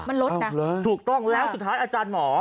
มันลดนะถูกต้องแล้วสุดท้ายอาจารย์หมอ